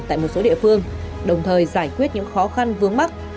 tại một số địa phương đồng thời giải quyết những khó khăn vướng mắt